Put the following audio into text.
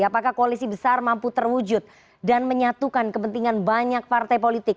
apakah koalisi besar mampu terwujud dan menyatukan kepentingan banyak partai politik